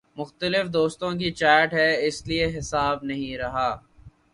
مختلف دوستوں کی چیٹ ہے اس لیے حساب نہیں رہا